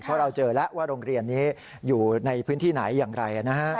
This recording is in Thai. เพราะเราเจอแล้วว่าโรงเรียนนี้อยู่ในพื้นที่ไหนอย่างไรนะฮะ